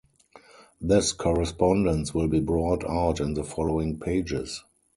This correspondence will be brought out in the following pages.